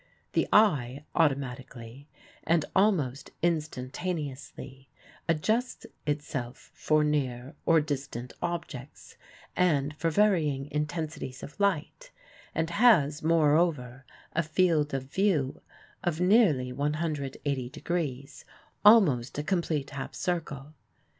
The eye automatically, and almost instantaneously, adjusts itself for near or distant objects and for varying intensities of light, and has, moreover, a field of view of nearly 180 degrees almost a complete half circle.